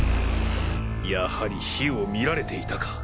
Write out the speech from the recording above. やはり火を見られていたか。